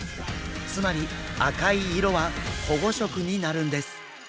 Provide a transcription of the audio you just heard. つまり赤い色は保護色になるんです。